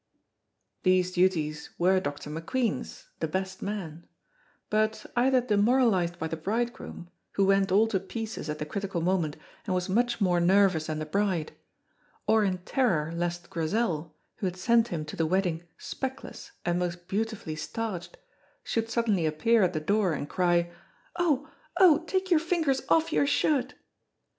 These duties were Dr. McQueen's, the best man, but either demoralized by the bridegroom, who went all to pieces at the critical moment and was much more nervous than the bride, or in terror lest Grizel, who had sent him to the wedding speckless and most beautifully starched, should suddenly appear at the door and cry, "Oh, oh, take your fingers off your shirt!"